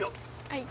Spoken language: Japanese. はい。